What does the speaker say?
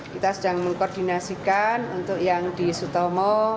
kita sedang mengkoordinasikan untuk yang di sutomo